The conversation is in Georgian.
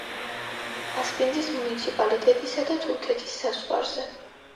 ასპინძის მუნიციპალიტეტისა და თურქეთის საზღვარზე.